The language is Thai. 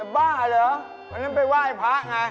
บ้าเหรอเยอะนิ้มไปไหว้ภาคไง